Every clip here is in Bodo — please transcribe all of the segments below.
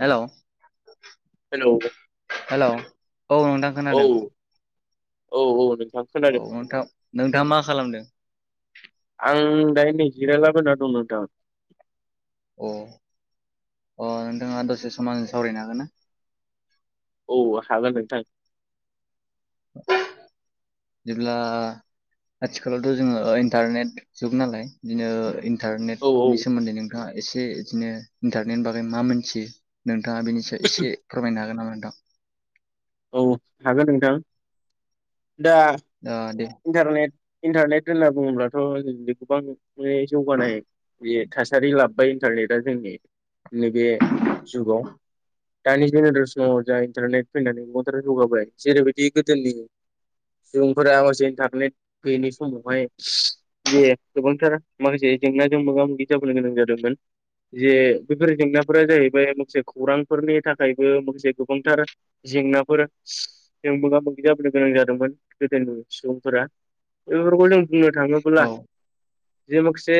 हेल' हेल'। हेल' औ नोंथां। औ। खोनादों औ-औ नोंथां। खोनादों औ नोंथां नोंथाङा मा खालामदों? आं दायो नै जिरायलाबायना दं नोंथां। अ-अ नोंथाङा दसे सम आंजों सावरायनो हागोन ना? औ हागोन नोंथां जेब्ला आथिखालावथ' जोङो इन्टारनेट जुग नालाय बिदिनो औ औ इन्टारनेटनि सोमोन्दै नोंथांङा एसे इदिनो इनटारनेटनि बागै मा मिथियो नोंथाङा बेनि सायाव एसे फोरमायनो हागोन नामा नोंथां औ हागोन नोंथां दा अ दे इन्टारनेट इन्टारनेट होनना बुङोब्लाथ' जों गोबां माने जौगानाय नुयो थासारि लाबोबाय इन्टारनेटआ जोंनि नैबे जुगाव दानि जेनेरेसनाव जा इन्टारनेट फैनानै मदार जौगाबाय जेरैबायदि गोदोनि जोंफोरा अबसे इनटारनेट गैयैैनि समावहाय जे गोबांथार माखासे जेंनाजों मोगा मोगि जाबोनो गोनां जादोंमोन जे बेफोर जेंनाफोरा जाहैबाय माखासे खौरांफोरनि थाखायबो माखासे गोबांथार जेंनाफोर मोगा मोगि जाबोनो गोनां जादोंमोन गोदोनि सुबुं फोरा बेफोरखौ जों बुंनो औ थाङोब्ला जे माखासे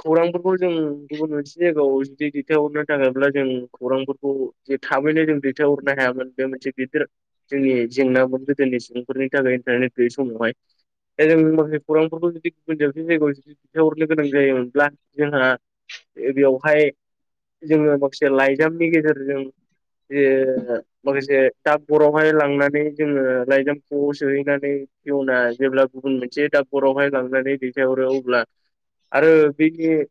खौरांफोरखौ जों गुबुन मोनसे जायगायाव जुदि दैथायहरनो थागायब्ला जों खौरांफोरखौ जे जों दैथायहरनो हायामोन बे मोनसे गिदिर जोंनि जेंनामोन गोदोनि सुबुंफोरनि थाखाय गैयै समावहाय दा जों माखासे खौरामफोरखौ जुदि मोनजाबसे जायगायाव जुदि दैन्थहरनो गोनां जायोमोनब्ला जोंहा बेवहाय जोङो माखासे लाइजामनि गेजेरजों बे माखासे टाबगरावहाय लांनानै जोङो लाइजामखौ सोहैनानै जउना जेब्ला गुबुन मोनसे दाबरावहाय लांनानै दैथायहरो अब्ला आरो बेनि बल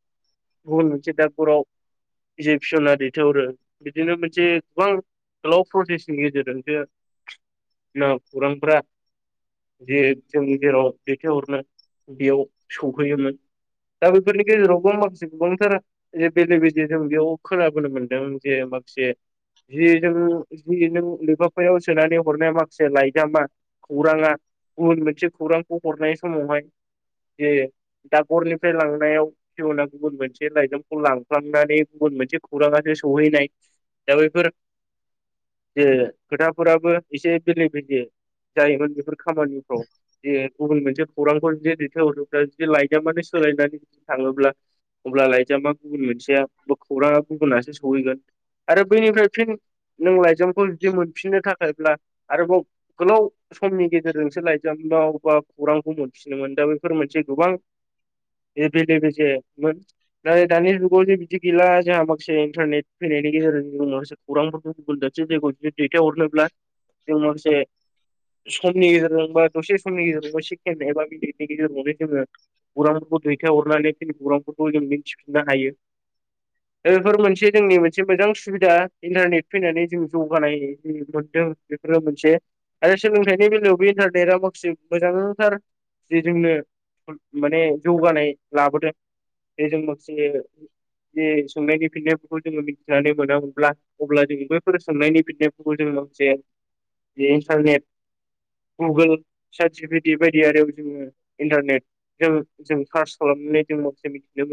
मोनसे दाकबराव इजिबिसना दैथाय हरो बिदिनो मोनसे गोबां गोलाव प्रसेसनि गेजेरजोंसो खौरांफोरा जे जों जेराव दैथायहरनो बेयाव सौहैयोमोन दा बेफोरनि गेजेरावबो माखासे गोबांथार बेले बेजे जे जों बेयाव खोनाबोनो मोन्दों जे माखासे जि जों जि नों लफाफोरायाव सोनानै हरनाया माखासे लाइजामा खौराङा गुबुन मोनसे खौरांखौ हरनाय समावहाय जे दागरनिफ्राय लांनायाव जवना गुबुन मोनसे लाइजामखौ लांफ्लांनानै गुबुन मोनसे खौरांङासो सहैनाय दा बेफोर जे खोथाफोराबो एसे बेले बेजे जायोमोन बेफोर खामानिफ्राव जे गुबुन मोनसे खौरांखौ जुदि दैथायहरोब्ला जुदि लाइजामानो सोलायनानै जुदि थाङोब्ला अब्ला लाइजामा गुबुन मोनसेया खौराङा गुबुनासो सहैगोन आरो बैनिफ्राय फिन नोंलाय लाइजामखौ जुदि मोनफिननो थाखायब्ला आरोबाव गोलाव समनि गेजेराव [unintelligible] लाइजामाव बा खौरांखौ मोनफिनो मोन दा बेफोर मोनसे गोबां [unintelligible] बेल बेज मोन नाथाय दानि जुगाव जे बिदि गैला जोंहा माखासे इन्टारनेट फैनायनि गेजेरजोंनो खौरांफोरखौ गुबुन दाबसे जायगायाव जुदि दैथायहरनोब्ला जों माखासे समनि गेजेरजों बा दसे समनि गेजेरावबो सिखनाय एबा गेजेरावनो जोङो खौरांफोरखौ दैथाय हरनानै जोंनि खौरांफोरखौ जों मिन्थिफिननो हायो। [inaudible] दा बेफोर मोनसे जोंनि मोनसे मोजां सुबिदा इन्टारनेट फैनानै जों जौगानाय मोनदों। बेफोरो मोनसे आरो सोलोंथाइ बेनि बेलायावबो इन्टारनेटआ माखासे मोजांथार जे जोंनो माने जौगानाय लाबोदों। बेजों माखसे जे सोंनायनि फिननायफोरखौ जोङो मिथिनानै मोनामोनब्ला अब्ला जों बैफोर सोंनायनि फिन्नायफोरखौ जों जे बे इन्टारनेट गुगोल सार्च बायदि बायदि आरो बिदिनो इन्टारनेट जों कार्स खालामनाय [unintelligible] जों नो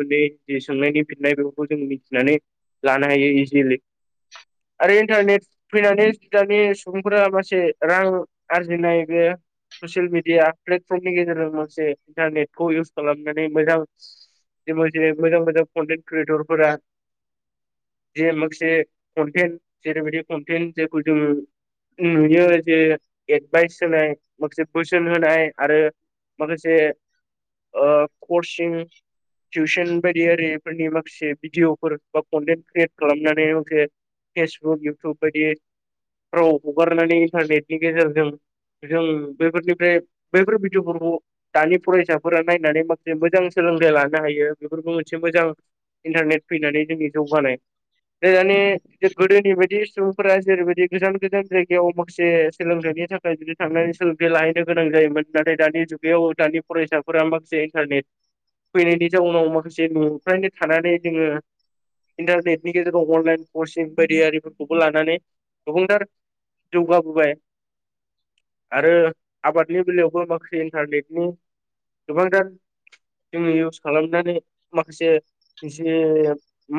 मोनै जे सोंनायनि फिन्नाय बेफोरखौ जों मिथिनानै लानो हायो इजियेलि आरो इन्टारनेट फैनानै दानि सुबुंफोरा मासे रां आरजिनाय बे ससियेल मिडिया प्लेटफर्मनि गेजेरजों मोनसे इन्टारनेटखौ इउस खालामनानै मोजां [unintelligible] मोजां मोजां कन्टेन्ट क्रियेटरफोरा जे माखासे कनटेन्ट जेरैबायदि कनटेन्ट जायखौ जोङो नुयो जे एटभाइस होनाय माखासे बोसोन होनाय आरो माखासे ओ कर्चिं टिउसोन बायदि ओरिफोरनि माखासे भिदिअफोर बा कनटेन्ट क्रियेट खालामनानै माखसे फेसबुक इउटुब बायदियै राव हगारनानै इन्टारनेटनि गेजेरजों जों बेफोरनिफ्राय बैफोर भिडिय'फोरखौ- दानि फरायसाफोरा नायनानै माखसे मोजां सोलोंथाइ लानो हायो बेफोरबो मोनसे मोजां इन्टारनेट फैनानै जोंनि जौगानाय ओ दानि गोदोनि बायदि सुबुंफोरा जेरैबादि गोजान गोजान जायगायाव माखासे सोलोंथाइनि थाखाय जुदि थांनानै सोलोंथाइ लाहैनो गोनां जायोमोन नाथाय दानि जुगायाव दानि फरायसाफोरा माखासे इन्टारनेट फैनायनि जाउनाव माखासे न'फ्रावनो थानानै जोङो इन्टारनेटनि गेजेराव अनलाइन कर्सिं बायदियारिफोरखौबो लानानै गोबांथार जौगाबोबाय। आरो आबादनि बेलायावबो माखासे इन्टारनेटनि गोबांथार जोङो इउस खालामनानै माखासे इसे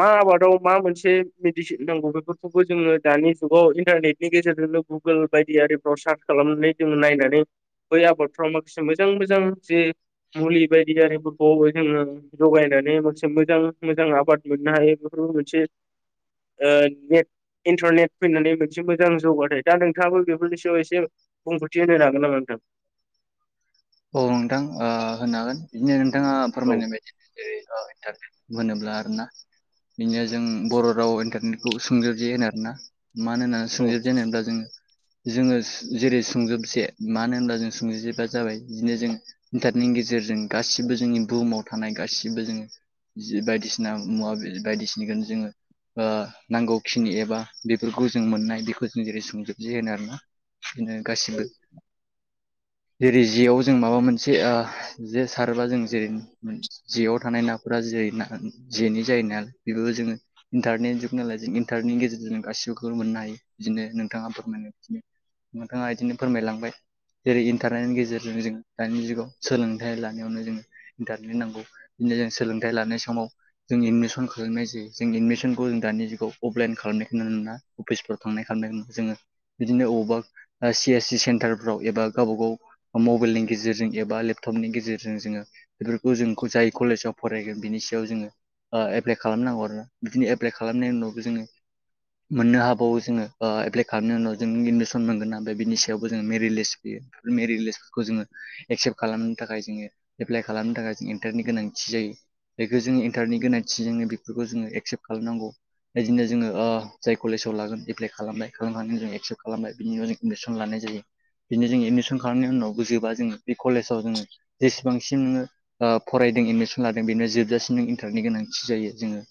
मा आबादाव मा मोनसे मेडिसिन नांगौ बेफोरखौबो जोङो दानि जुगाव इन्टारनेट नि गेजेरजोंनो गुगोल बायदि आरिफ्राव सार्च खालामनानै जोङो नायनानै बै आबादफ्राव माखासे मोजां मोजां जे मुलि बायदि आरिफोर खौ जोङो जगायनानै मोनसे मोजां मोजां आबाद मोननो हायो बेफोरबो मोनसे ओ नेट इन्टारनेट फैनानै मोनसे मोजां जौगाथाय दा नों नोंथाङाबो बेफोरनि सायाव एसे बुंफोरथि होनो हागोन नामा नोंथां? औ नोंथां आ होनो हागोन। बिदिनो नोंथाङा फोरमायनाय बायदियै जेरैओ इन्टारनेट होनोब्ला आरो ना बिनो जों बर' राव इन्टारनेटखौ सोंजोब जि होनो आरोना मानोना औ सोंजोबजे होनोब्ला जोङो जोङो जेरै सुंजोबसे माहोनो होनोब्ला जों सुंजोबबा जाबाय बिदिनो जों इन्टारनेटनि गेजेरजों गासिबो जोंनि बुहुमाव थानाय गासिबो जोङो जि बायदिसिना मुवा बे बायदिसिनगोन जोङो ओ नांगौखिनि एबा बेफोरखौ जों मोननाय बेखौ जों जेरै सोंजोबजि होनो आरो ना बिदिनो गाससिबो जेरै जेयाव जों माबा मोनसे ओ जे सारोबा जों जेरै मोन जेयाव थानाय नाफोरा जेरै ना जेनि जायो ना बेफोरखौ जोङो इन्टारनेट जुग नालाय जों इन्टारनेटनि गेजेरजों जों गासिखौबो मोननो हायो बिदिनो नोंथाङा फोरमायनाय बायदिनो नोंथाङा इदिनो फोरमायलांबाय जेरै इन्टारनेटनि गेजेरजोंनो जों दानि जुगाव सोलोंथाइ लानायावनो जोङो इन्टारनेट नांगौ बिदिनो जों सोलोंथाइ लानाय समाव जों एदमिसनखो नायजायो जों एडमिसनखौ जों दानि जुगाव अफलाइन खालामनायखौ नुनो मोना अफिसफोराव थांनाय खालामनायखौ जोङो बिदिनो अबावबा सि एस सि सेन्टारफ्राव एबा गावबा गाव मबाइल लिं गेजेरजों एबा लेपटपनि गेजेरजों जोङो बेफोरखौ जों जाय कलेजाव फरायगोन बिनि सायाव जोङो ओ एप्लाइ खालाम नांगौ आरोना बिदिनो एप्लाइ खालामनायनि उनावबो जोङो मोननो हागौ जोङो ओ एफ्लाइ खालामनायनि उनाव जों एडमिसन मोनगोना ओमफाय बिनि सायावबो जों मेरिट लिस फैयो। मेरित लिस्सखौ जोङो एक्सेप्ट खालामनो थाखाय जोङो एप्लाइ खालामनो थाखाय जों इन्टारनि गोनांथि जायो। बेखौ जोङो इन्टारनेट गोनांथि जोङो बेफोरखौ जोङो एक्सेप्ट खालाम नांगौ। बिदिनो जोङो ओ जाय कलेजाव लागोन एप्लाइ खालामबाय खालाम हानाय जों एक्सेप्ट खालामबाय बिनि उनाव जों एडमिसन लानाय जायो बिदिनो जो एडमिसन खालामनायनि उनावबो जोबा जोङो बे कलेजाव जोङो जेसेबांसिन नोंङो ओ फरायदों एडमिसन लादों बेनो जोबजासिम इन्टारनि गोनांथि जायो जोङो।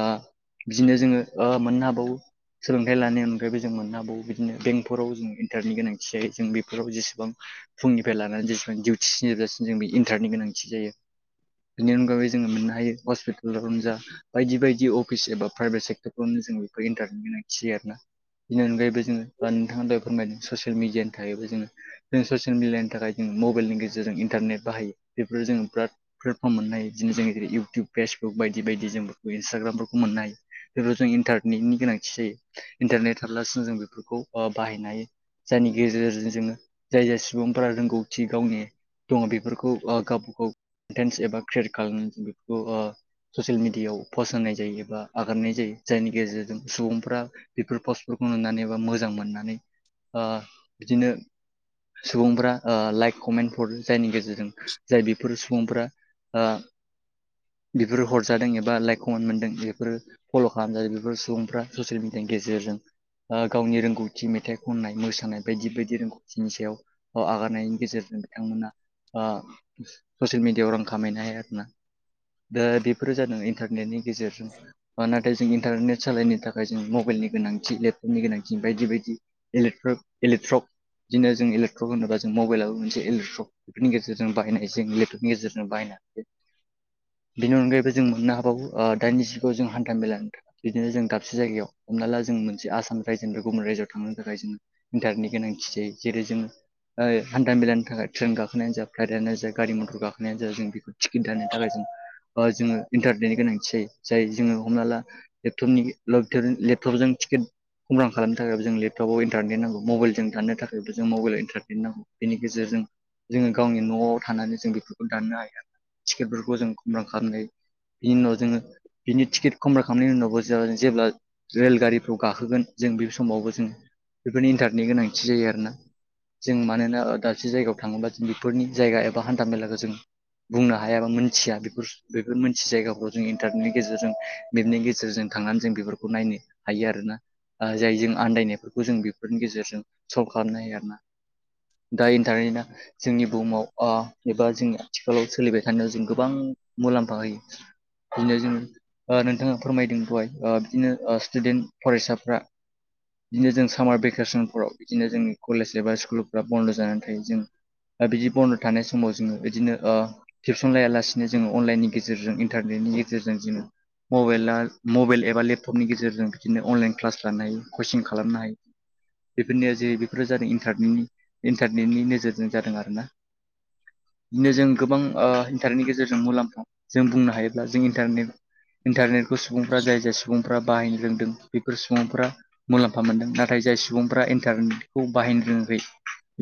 ओ बिदिनो जोङो ओ मोननो हागौ सोलोंथाइ लानायनि अनगायैबो जों मोननो हागौ बिदिनो बेंक फोराव जों इन्टारनि गोनांथि जायो जों बेफोराव जेसेबां फुंनि बे लाना जेबां दिउथिस जोबजासिम जों बे इन्टारनि गोनांथि जायो। बेनि अनगायै जोङो मोननो हायो हस्पिटालावनो जा बायदि बायदि अफिस एबा प्राइभेट सेक्टरफोरावनो जों बेखौ इन्टारनि गोनांथि जायो आरो ना। बिनि अनगायैबो जोङो ओ नोंथाङा दहाय बुंनाय ससियेल मिडियानि थायोबो जोङो जों ससियेल मिडियानि नि थाखाय जोङो मबाइलनि गेजेरजों इन्टारनेट बाहायो बेफोर जोङो बिराद प्लेटफर्म मोननाय बिदिनो जों जरै इउटुब फेसबुक बायदि बायदि जों बेफोरखौ इन्सटाग्रामफोरखौ मोननो हायो बेफोराव जों इन्टारनेटनि गोनांथि जायो इन्टारनेट थाब्लासो जों बेफोरखौ बाहायनो हायो। जायनि गेजेरजों जोङो जाय-जाय रोंगौथि गावनि दङ बेफोरखौ ओ गाबखौ केन्स एबा क्रियेट खालामनानै बेफोरखौ ओ ससियेल मिडियाव पस्ट होनाय जायो एबा आगारनाय जायो जायनि गेजेरजों सुबुंफ्रा बेफोर पस्टफोरखौ नुनानै एबा मोजां मोननानै बिदिनो दं ब्रा ओ लाइक कमेन्ट हर जायनि गेजेरजों जाय बेफोर सुबुंफोरा ओ दु बेफोरो हरजादों एबा लाइक कमेन मोनदों बेफोरो फल' खालामजायो बेफोर सुबुंफ्रा ससियेल मिडियानि गेजेरजों ओ गावनि रोंगौथि मेथाइ खननाय मोसानाय बायदि बायदि रोंगौथिनि सायाव औ आगारनायनि गेजेरजों बिथांमोना ओ ससियेल मिडियायाव रां खामायनो हायो आरो ना। ओ बेफोरो जादों इन्टारनेटनि गेजेरजों मानो नाथाय जों इन्टारनेट सालायनो थाखाय जों मबाइलनि गोनांथि लेपटपनि गोनांथि बायदि बायदि। इलेट्रक इलेक्ट्रक बिदिनो जों इलेक्ट्रक होनोबा जों मबाइलाबो मोनसे इलेक्ट्रक। बेफोरनि गेजेरजों बाहायनाय जों लेपटपनि गेजेरजों बायनो बेनि अनगायैबो जों मोननो हाबावो ओ दानि जुगुगाव जों हान्था मेलानि बिदिनो जों दाबसे जायगायाव हमना ला जों मोनसे आसाम रायजोनिफ्राय गुबुन रायजोआव थांनो थाखाय जोङो इन्टारनेटनि गोनांथि जायो जेरै जों ओय हान्थामेलानि थाखाय ट्रेन गाखोनायानो जा फ्लाइ दानो जा गारि मथर गाखोनायानो जा जों बेखौ टिकेट दाननो थाखाय जों ओ जोङो इन्टारनेटनि गोनांथि जायो जाय जोङो हमना ला लेपटपनि लेपटप लेपटपजों टिकेट अनलाइन खालामनो थाखायबो जों लेपटपाव इन्टारनेट नांगौ मबाइजों थानो थाखायबो जों मबाइलाव इनटार नेट नांगौ बेनि गेजेरजों जोङो गावनि न'आव थानानै जों बेफोरखौ दाननो हाया। टिकेटफोरखौ जों खमर्पाम खालामनो हायोबिनि उनाव जोङो बिनि टिकेट खमर्पाम खालामनायनि उनावबो जों जेब्ला रेलगारिफ्राव गाखोगोन जों बे समावबो जों बेफोरनो इन्टारनेटनि गोनांथि जायो आरो ना। जों मानोना ओ दाबसे जायगायाव थाङोबा जों बेफोरनि जायगा एबा हान्था मेलाखौ जों बुंनो हाया बा मोनथिया बेफोर बेफोर मोनथियि जायगाफ्राव जों इन्टारनेटनि गेजेरजों नेट गेजेरजों थांनानै जों बेफोरखौ नायनो हायो आरो ना। ओ जाय जों आनन्दायनायफोरखौ जों बेफोरनि गेजेरजों सल्भ खालामनो हायो आरोना। दा इनटारनेदा जोंनि बुहुमाव ओ एबा जोंनि आथिखालाव सोलिबाय थानायाव जों गोबां मुलाम्फा होयो। बिनो जोङो ओ नोंथाङा फोरमायदों दहाय ओ बिदिनो ओ स्टुडेन्ट फरायसाफ्रा बिदिनो जों सामार भेकेसनफोराव बिदिनो जोंनि कलेज एबा स्कुलफ्रा बन्द' जानानै थायो जों दा बिदि बन्द' थानाय समाव जोङो बिदिनो ओ टिउसन लायालासिनो जोङो अनलाइननि गेजेरजों इन्टारनेटनि गेजेरजों जोङो मबाइला मबाइल एबा लेपटपनि गेजेरजों बिदिनो अनलाइन क्लास लानो हायो कचिं खालामनो हायो। बेफोरनिया जे बेफोरो जादों इन्टारनेटनि इन्टारनेटनि नोजोरजों जादों आरोना। बिदिनो जों गोबां ओ इन्टारनेटनि गेजेरजों मुलाम्फा जों बुंनो हायोब्ला जों इन्टारनेट इन्टारनेटखौ सुबुंफ्रा जाय जाय सुबुंफ्रा बाहायनो रोंदों बेफोर सुबुंफोरा मुलाम्फा मोनदों नाथाय जाय सुबुंफ्रा इन्टारनेटखौ बाहायनो रोङाखै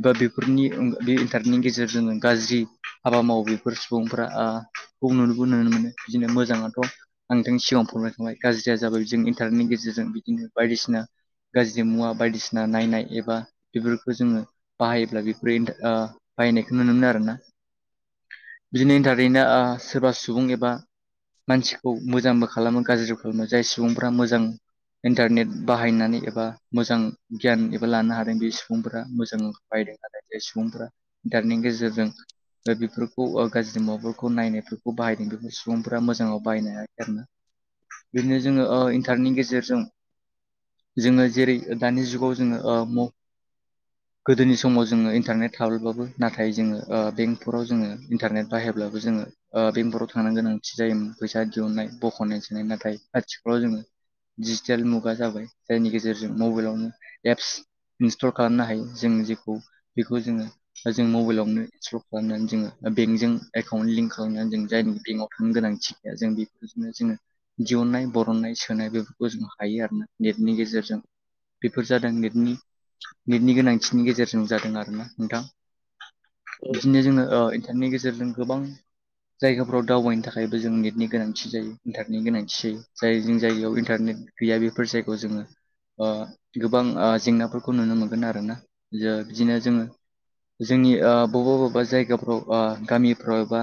दा बेफोरनि ओं बे इन्टारनेटनि गेजेरजों गाज्रि हाबा मावो बेफोर सुबुंफोरा ओ बुंनोबो [unintelligible] बिदिनो मोजाङाथ'। आं नोंथांनि सिगाङाव फोरमायखाबाय गाज्रिया जाबाय जों इन्टारनेटनि गेजेरजों बिदिनो बायदिसिना गाज्रि मुवा बायदिसिना नायनाय एबा बेफोरखौ जोङो बाहायोब्ला बेफोरो ओ बायनायखौ नुनो मोनो आरो ना। बिदिनो इन्टारनेट ओ सोरबा सुबुं एबा मानसिखौ मोजांबो खालामो गाज्रिबो खालामो जाय सुबुंफ्रा मोजां इन्टारनेट बाहायनानै एबा मोजां गियान एबा लानो हादों बे सुबुंफोरा मोजांआव बाहायदों नाथाय बे सुबुंफोरा इन्टारनेटनि गेजेरजों ओ बेफोरखौ ओ गाज्रि माबाफोरखौ नायनायफोरखौ बाहायदों बेफोर सुबुंफोरा मोजाङाव बाहायनो हायाखै आरोना। बिदिनो जोङो ओ इन्टारनेटनि गेजेरजों जोङो जेरै ओ दानि जुगाव जोङो ओ म गोदोनि समाव जोङो इन्टारनेट [unintelligible] नाथाय जोङो ओ बेंकफोराव जोङो इन्टारनेट बाहायाब्लाबो जोङो ओ बेंकफोराव थांनो गोनांथि जायोमोन फैसा दिहुननाय बख'नाय सोनाय नाथाय आथिखालाव जोङो डिजिटेल मुगा जाबाय जायनि गेजेरजों मबाइलावनो एप्स इनस्टल खालामनो हायो। जों जेखौ बेखौ जोङो जों मबाइलावनो इन्स्टल खालामनानै जोङो बेंकजों एकाउन्ट लिंक खालामनानै जों जायि बेंकाव थांनो गोनांथि जों बेबादिनो जोङो दिहुननाय बरननाय सोनाय बेफोरखौ जों हायो आरोना नेटनि गेजेरजों। बेफोर जादों नेटनि नेटनि गोनांथिनि गेजेरजों जादों आरोना नोंथां औ बिदिनो जोङो ओ बेनि गेजेरजों गोबां जायगाफ्राव दावबायनो थाखायबो जों नेटनि गोनांथि जायो इन्टारनेटनि गोनांथि जायो जाय जों जायगायाव इन्टारनेट गैया बेफोर जायगायाव जोङो ओ गोबां ओ जेंनाफोरखौ नुनो मोनगोन आरोना। ओ बिदिनो जोङो जोंनि ओ बबेबा बबेबा जायगाफ्राव ओ गामिफ्राव एबा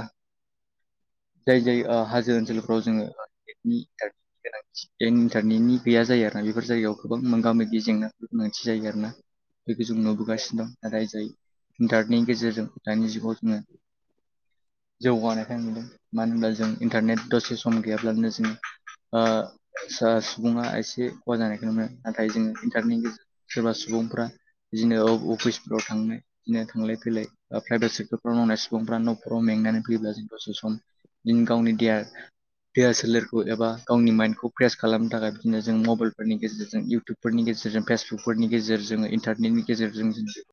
जाय जाय ओ हाजो ओनसोलफ्राव एबा नेटनि इन्टारनेटनि गोनांथि इन्टारनेटनि गैया जायो आरोना बेफोर जायगायाव गोबां मोगा मोगि जेंना गोनांथि जायो आरोना। बेखौ जों नुबोगासिनो दं नाथाय जाय इन्टारनेटनि गेजेरजों दानि जुगाव जोङो जौगानायखौ नुदों मानो होमब्ला जों इन्टारनेट दसे सम गैयाब्लानो जों ओ सो सुबुङा एसे खहा जानायखौ नुनो मोनो नाथाय जोङो इन्टारनेटनि गेजेरजों सोरबा सुबुंफ्रा बिदिनो अफिसफोराव थांनो। बिदिनो थांलाय फैलाय प्राइभेट सेक्टरफ्राव मावनाय सुबुंफ्रा न'खराव मेंनानै फैयोब्ला जों दसे सम फिन गावनि देहा देहा सोलेरखौ एबा गावनि माइडखौ फ्रेस खालामनो थाखाय बिदिनो जों मबाइलफोरनि गेजेरजों इउटुब फोरनि गेजेरजों फेसबुकफोरनि इन्टारनेटनि गेजेरजों जो